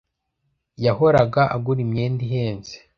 Yahoraga agura imyenda ihenze.